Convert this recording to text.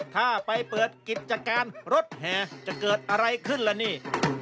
ถ้าไปเปิดกิจการรถแห่จะเกิดอะไรขึ้นละนี่